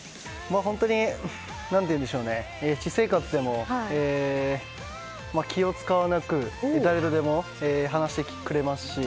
本当に私生活でも気を使わなく誰とでも話してくれますし。